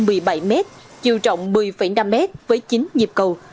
khoảng ba trăm một mươi bảy mét chiều rộng một mươi năm mét với chín dịp cầu